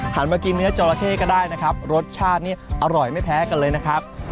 มากินเนื้อจอราเข้ก็ได้นะครับรสชาตินี่อร่อยไม่แพ้กันเลยนะครับ